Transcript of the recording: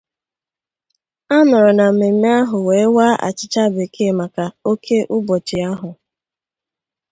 A nọrọ na mmemme ahụ wee waa achịcha bekee maka oke ụbọchị ahụ